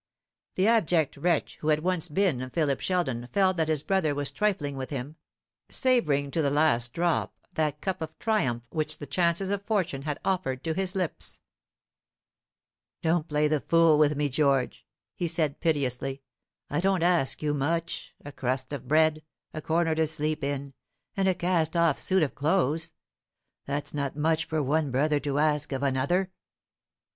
The abject wretch who had once been Philip Sheldon felt that his brother was trifling with him, savouring to the last drop that cup of triumph which the chances of fortune had offered to his lips. "Don't play the fool with me, George," he said piteously. "I don't ask you much a crust of bread, a corner to sleep in, and a cast off suit of clothes: that's not much for one brother to ask of another."